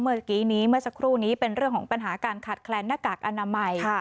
เมื่อกี้นี้เมื่อสักครู่นี้เป็นเรื่องของปัญหาการขาดแคลนหน้ากากอนามัย